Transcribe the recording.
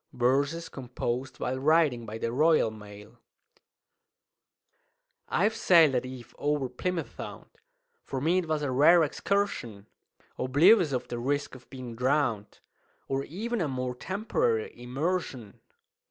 Verses composed while Riding by the Royal Mail. "I've sailed at eve o'er Plymouth Sound (For me it was a rare excursion) Oblivious of the risk of being drown'd, Or even of a more temporary immersion.